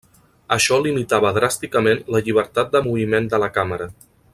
Això limitava dràsticament la llibertat de moviment de la càmera.